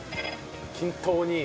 均等に。